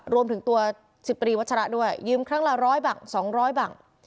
รวมถึงตัวสิบตีวัชระด้วยยืมครั้งละร้อยบังสองร้อยบัง